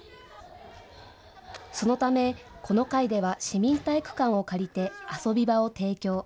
そのため、この会では市民体育館を借りて遊び場を提供。